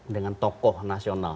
dengan tokoh nasional